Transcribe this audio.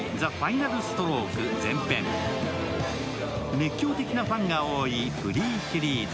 熱狂的ファンが多い「Ｆｒｅｅ！」シリーズ。